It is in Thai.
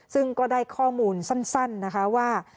ซึ่งก็ได้ข้อมูลสั้นนะคะว่า